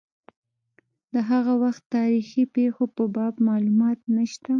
د هغه وخت تاریخي پېښو په باب معلومات نشته.